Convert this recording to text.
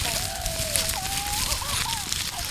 تاسي د روغتیا قدر کوئ.